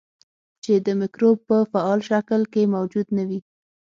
چې د مکروب په فعال شکل کې موجود نه وي.